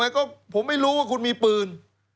ก็ผมไม่รู้ว่าคุณมีปืน